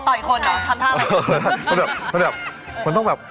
มันแบบมันต้องแบบ